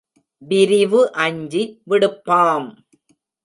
விரிவு அஞ்சி விடுப்பாம்.